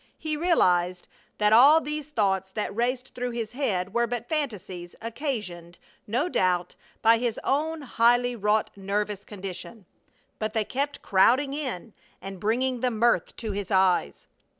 He realized that all these thoughts that raced through his head were but fantasies occasioned no doubt by his own highly wrought nervous condition, but they kept crowding in and bringing the mirth to his eyes.